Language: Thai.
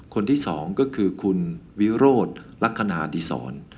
คนที่สองก็คือคุณวิโรธลักษณะอดีศร